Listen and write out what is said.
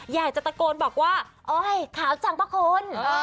แย่จัดตะโกนบอกว่าอ้อยขาวจังปะคุณ